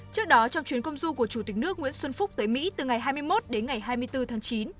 trước đó trong chuyến công du của chủ tịch nước nguyễn xuân phúc tới mỹ từ ngày hai mươi một đến ngày hai mươi bốn tháng chín